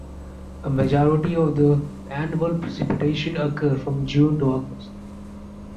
A majority of the annual precipitation occurs from June to August.